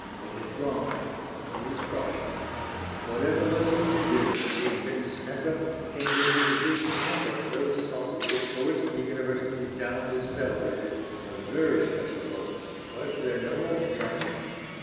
It had gone. He was crushed. "Whatever was he to do? He had been sent up from Cambridge with a big hamper of those sausages for which the University town is celebrated a very special order. Was there no other train?"